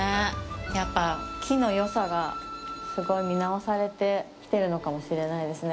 やっぱ、木のよさがすごい見直されてきてるのかもしれないですね。